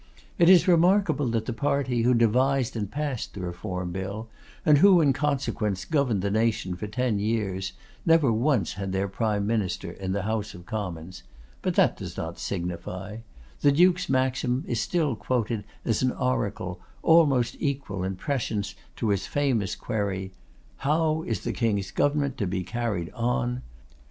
It is remarkable that the party who devised and passed the Reform Bill, and who, in consequence, governed the nation for ten years, never once had their Prime Minister in the House of Commons: but that does not signify; the Duke's maxim is still quoted as an oracle almost equal in prescience to his famous query, 'How is the King's government to be carried on?